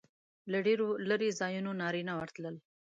له ډېرو لرې ځایونو نارینه ورتلل.